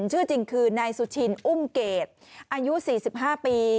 ชื่อจริงคือนายสุชินอุ้มเกดอายุ๔๕ปี